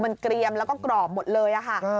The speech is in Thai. มันเกลียมและกรอบหมดเลย